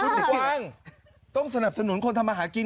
คุณกวางต้องสนับสนุนคนทำมาหากิน